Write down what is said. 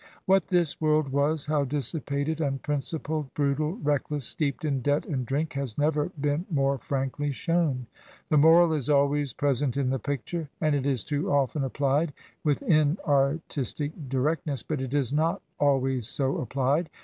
What this world was, how dissipated, unprincipled, brutal, reckless, steeped in debt and drink, has never been more frankly shown. The moral is always pres ent in the picture, and it is too often applied with in artistic directness, but it is not always so appUed.